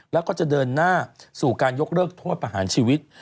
แล้วก็จะเดินหน้าสู่การยกเลิกโทษประหารชีวิต